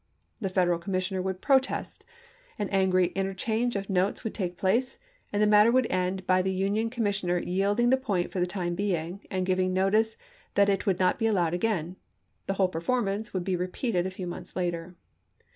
The Federal commissioner would protest ; an angry interchange of notes would take place, and the matter would end by the Union commis sioner yielding the point for the time being, and giving notice that it would not be allowed again ; the whole performance would be repeated a few canby's months later.